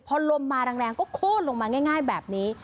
พอลมมาแรงก็โค้นลงมาง่ายแบบนี้